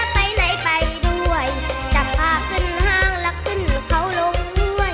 ไปไหนไปด้วยจะพาขึ้นห้างแล้วขึ้นเขาลงด้วย